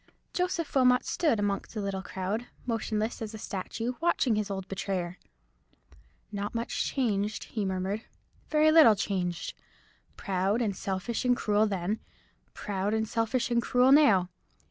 Joseph Wilmot stood among the little crowd, motionless as a statue, watching his old betrayer. "Not much changed," he murmured; "very little changed! Proud, and selfish, and cruel then—proud, and selfish, and cruel now.